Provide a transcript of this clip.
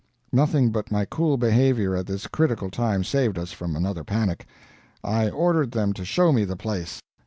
Nothing but my cool behavior at this critical time saved us from another panic. I ordered them to show me the place.